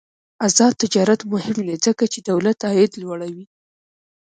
آزاد تجارت مهم دی ځکه چې دولت عاید لوړوي.